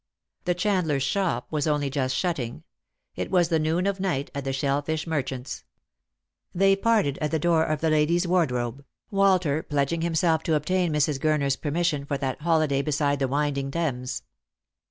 The chandler's shop was only just shutting; it was the noon of night at the shell fish merchant's. They parted at the door of the ladies' wardrobe, Walter pledging himself to obtain Mrs. Gurner's permission for that holiday beside the winding Thames.